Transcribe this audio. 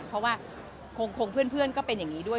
เพราะว่าคงเพื่อนก็เป็นอย่างนี้ด้วย